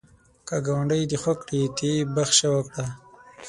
که ګاونډی دی خوږ کړي، ته یې بخښه وکړه